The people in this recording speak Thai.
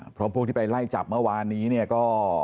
เพราะพวกที่ไปไล่จับเมื่อวานนี้เนี่ยก็